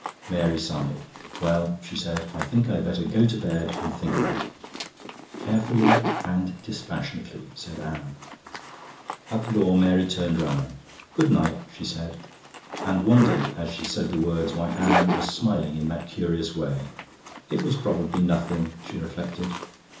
Mary sighed. "Well," she said, "I think I had better go to bed and think about it." "Carefully and dispassionately," said Anne. At the door Mary turned round. "Good night," she said, and wondered as she said the words why Anne was smiling in that curious way. It was probably nothing, she reflected.